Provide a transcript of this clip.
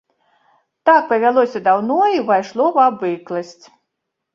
Так павялося даўно і ўвайшло ў абыкласць.